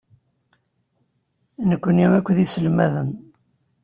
Nekkni akk d iselmaden.